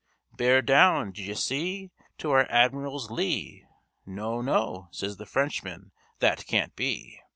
'Bear down, d'ye see, To our Admiral's lee.' 'No, no,' says the Frenchman, 'that can't be.'